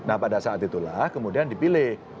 nah pada saat itulah kemudian dipilih